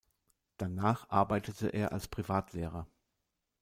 Danach arbeitete er als Privatlehrer.